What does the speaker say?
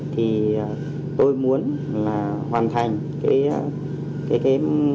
thì tôi muốn là hoàn thành cái tâm huyết của bản thân mình